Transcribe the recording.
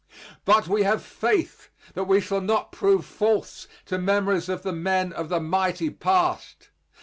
But we have faith that we shall not prove false to memories of the men of the mighty past.